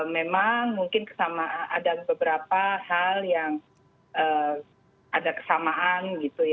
memang mungkin ada beberapa hal yang ada kesamaan